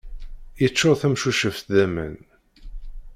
Yeččur tamcuceft d aman.